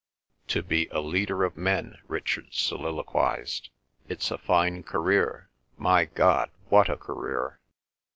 "To be a leader of men," Richard soliloquised. "It's a fine career. My God—what a career!"